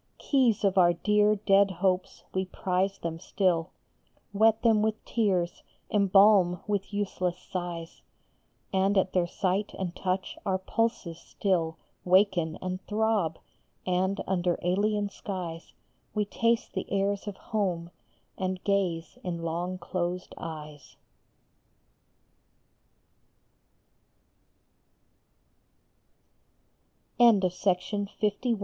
Keys of our dear, dead hopes, we prize them still, Wet them with tears, embalm with useless sighs ; And at their sight and touch our pulses still Waken and throb, and under alien skies We taste the airs of home and gaze in long closed eyes> BEREAVED.